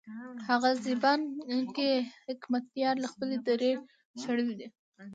هغه حزبيان چې حکمتیار له خپلې درې شړلي دي.